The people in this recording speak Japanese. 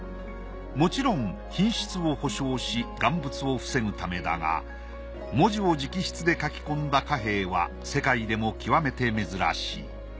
もちろん品質を保証し贋物を防ぐためだが文字を直筆で書き込んだ貨幣は世界でも極めて珍しい。